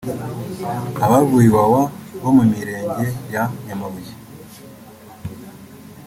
Abavuye Iwawa bo mu mirenge ya Nyamabuye